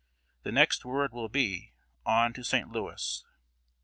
The next word will be, 'On to St. Louis.'